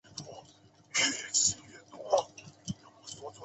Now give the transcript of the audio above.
波恩市拥有为数不少的教堂。